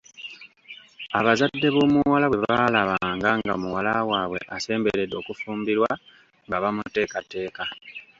Abazadde b'omuwala bwe baalabanga nga muwala waabwe asemberedde okufumbirwa nga bamuteekateeka.